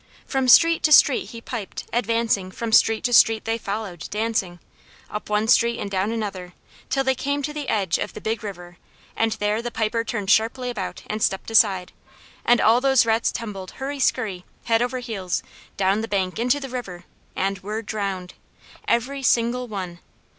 From street to street he piped, advancing, from street to street they followed, dancing. Up one street and down another, till they came to the edge of the big river, and there the piper turned sharply about and stepped aside, and all those rats tumbled hurry skurry, head over heels, down the bank into the river and were drowned. Every single one.